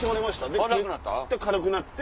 で軽くなって。